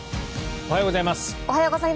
おはようございます。